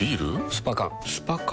スパ缶スパ缶？